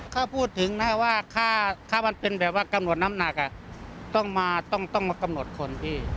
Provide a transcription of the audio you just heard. ถ้าพูดถึงนะว่าถ้ามันเป็นแบบว่ากำหนดน้ำหนักต้องมาต้องมากำหนดคนพี่